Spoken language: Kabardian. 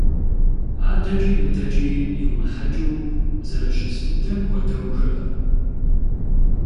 АдэкӀи мыдэкӀи йумыхьэкӀыу, зэрыщыт дыдэм хуэдэу жыӏэ.